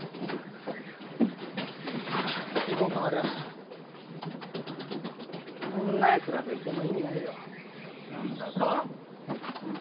行こう小春こんなやつらといても意味ないよ何だと？